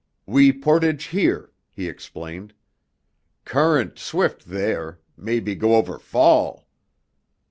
"We portage here," he explained. "Current swift there mebby go over fall!"